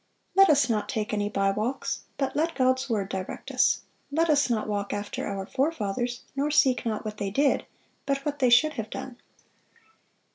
"Let us not take any by walks, but let God's word direct us: let us not walk after ... our forefathers, nor seek not what they did, but what they should have done."